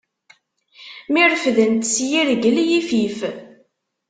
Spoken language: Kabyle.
Mi refdent s yirgel yifif.